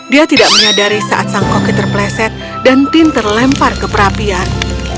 dia tidak menyadari saat sang koki terpleset dan tin terlempar ke perapian